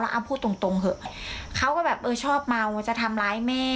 ละอาพูดตรงเหอะเขาก็แบบชอบเมาจะทำร้ายแม่